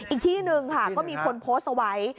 อีกที่หนึ่งค่ะก็มีคนโพสต์เอาไว้